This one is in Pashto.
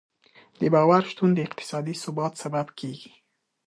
د باور شتون د اقتصادي ثبات سبب کېږي.